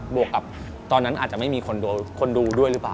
วกกับตอนนั้นอาจจะไม่มีคนดูด้วยหรือเปล่า